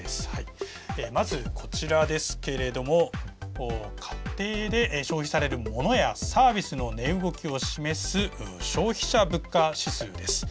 まず、こちらですけれども家庭で消費されるものやサービスの値動きを示す消費者物価指数です。